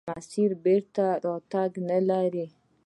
مسیر بېرته راتګ نلري.